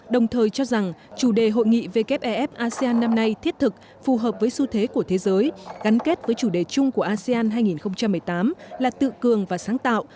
đồng thời cho rằng chủ đề hội nghị wef asean năm nay thiết thực phù hợp với xu thế của thế giới gắn kết với chủ đề chung của asean hai nghìn một mươi tám là tự cường và sáng tạo